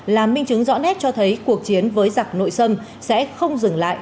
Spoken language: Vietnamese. làm minh chứng rõ nét cho thấy cuộc chiến với giặc nội sân sẽ không dừng lại